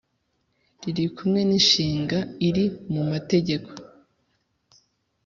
riri kumwe ninshinga iri mu mategeko